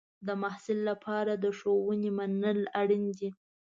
د محصل لپاره د ښوونې منل اړین دی.